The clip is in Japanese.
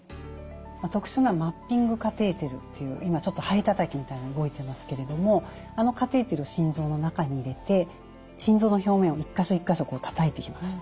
特殊なマッピングカテーテルという今ハエたたきみたいなの動いてますけれどもあのカテーテルを心臓の中に入れて心臓の表面を一か所一か所たたいていきます。